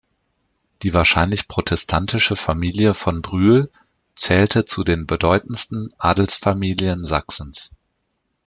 Die wahrscheinlich protestantische Familie von Brühl zählte zu den bedeutendsten Adelsfamilien Sachsens.